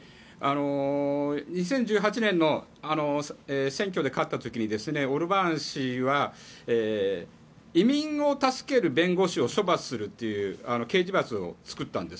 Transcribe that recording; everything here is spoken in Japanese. ２０１８年の選挙で勝った時オルバーン氏は移民を助ける弁護士を処罰するという刑事罰を作ったんです。